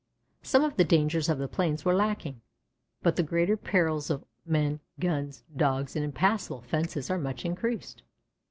Some of the dangers of the plains were lacking, but the greater perils of men, guns, Dogs, and impassable fences are much increased.